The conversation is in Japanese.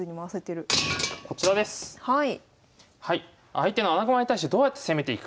相手の穴熊に対してどうやって攻めていくか。